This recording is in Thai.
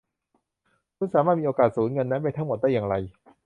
คุณสามารถมีโอกาสสูญเงินนั้นไปทั้งหมดได้อย่างไร